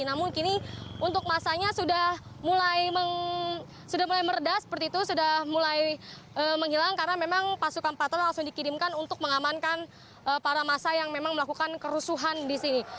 namun kini untuk masanya sudah mulai meredah seperti itu sudah mulai menghilang karena memang pasukan patrol langsung dikirimkan untuk mengamankan para masa yang memang melakukan kerusuhan di sini